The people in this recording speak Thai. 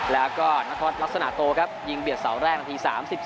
แล้วก็นครลักษณะโตครับยิงเบียดเสาแรกนาที๓๒